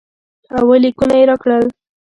اووه لیکونه یې راکړل.